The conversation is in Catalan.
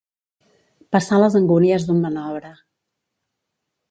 Passar les angúnies d'un manobre.